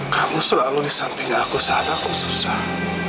kamu selalu di samping aku sadar aku susah